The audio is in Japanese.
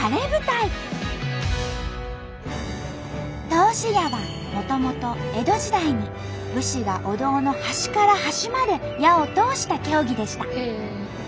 通し矢はもともと江戸時代に武士がお堂の端から端まで矢を通した競技でした。